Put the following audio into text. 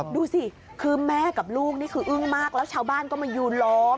ดูสิคือแม่กับลูกนี่คืออึ้งมากแล้วชาวบ้านก็มายืนล้อม